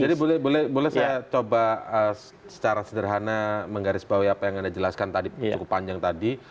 jadi boleh saya coba secara sederhana menggarisbawahi apa yang anda jelaskan cukup panjang tadi